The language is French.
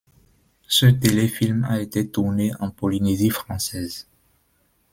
Ce téléfilm a été tourné en Polynésie française.